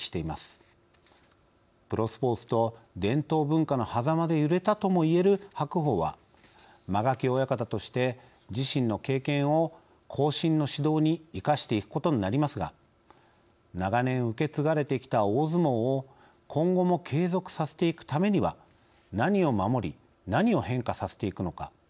プロスポーツと伝統文化のはざまで揺れたとも言える白鵬は間垣親方として自身の経験を後進の指導に生かしていくことになりますが長年受け継がれてきた大相撲を今後も継続させていくためには何を守り何を変化させていくのか。